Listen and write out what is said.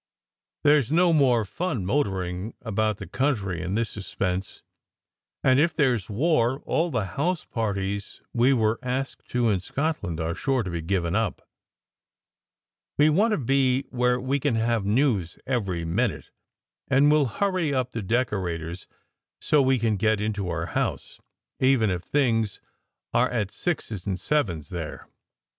There s no more fun motoring about the coun try in this suspense; and if there s war, all the house parties we were asked to in Scotland are sure to be given up. We want to be where we can have news every minute, and will hurry up the decorators so we can get into our house, even if things are at sixes and sevens there.